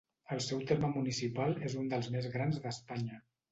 El seu terme municipal és un dels més grans d'Espanya.